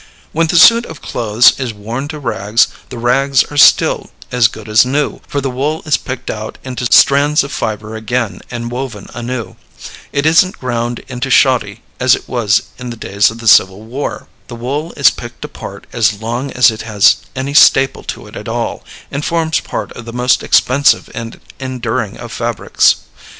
When the suit of clothes is worn to rags, the rags are still as good as new, for the wool is picked out into strands of fiber again and woven anew. It isn't ground into shoddy as it was in the days of the Civil War. The wool is picked apart as long as it has any staple to it at all, and forms part of the most expensive and enduring of fabrics.